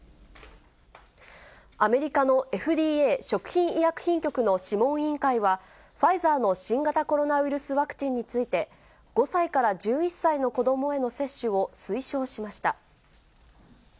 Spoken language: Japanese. アメリカのＦＤＡ・食品医薬品局の諮問委員会は、ファイザーの新型コロナウイルスワクチンについて、５歳から１１歳の子どもへの接種を推奨しました。